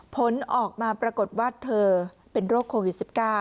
ผลออกมาปรากฏว่าเธอเป็นโรคโควิด๑๙